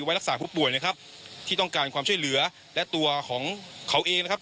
ไว้รักษาผู้ป่วยนะครับที่ต้องการความช่วยเหลือและตัวของเขาเองนะครับ